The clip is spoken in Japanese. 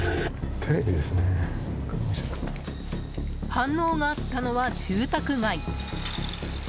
反応があったのは住宅街。